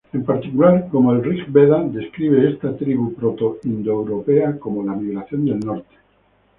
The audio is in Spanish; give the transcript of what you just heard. En particular, como el "Rig-veda" describe esta tribu proto-indoeuropeo como la migración del Norte.